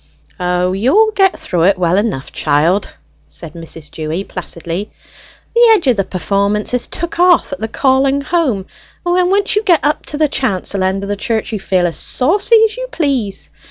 "O, you'll get through it well enough, child," said Mrs. Dewy placidly. "The edge of the performance is took off at the calling home; and when once you get up to the chancel end o' the church, you feel as saucy as you please.